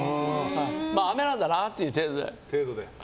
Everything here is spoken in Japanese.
雨なんだなっていう程度で。